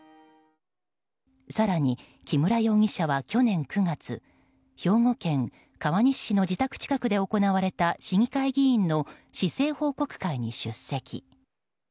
更に、木村容疑者は去年９月兵庫県川西市の自宅近くで行われた市議会議員の市政報告会に出席。